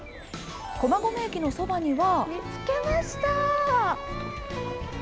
駒込駅のそばには。